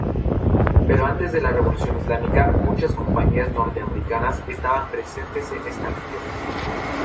Pero antes de la Revolución Islámica muchas compañías norteamericanas estaban presentes en esta región.